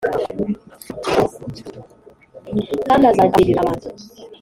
Kandi azajya akubwirira abantu